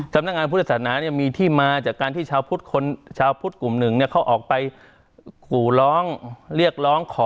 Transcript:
สำนักงานพุทธศาสนาเนี่ยมีที่มาจากการที่ชาวพุทธคนชาวพุทธกลุ่มหนึ่งเขาออกไปขู่ร้องเรียกร้องขอ